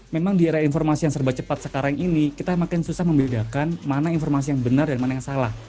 memang di era informasi yang serba cepat sekarang ini kita makin susah membedakan mana informasi yang benar dan mana yang salah